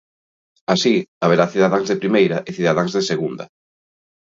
Así, haberá cidadáns de primeira e cidadáns de segunda.